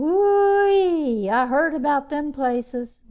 "Whooeee! Heard about them places.